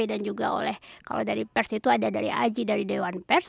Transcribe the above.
dan juga oleh kalau dari pers itu ada dari aji dari dewan pers